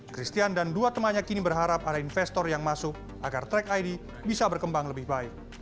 christian dan dua temannya kini berharap ada investor yang masuk agar track id bisa berkembang lebih baik